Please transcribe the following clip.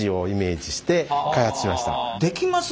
できます？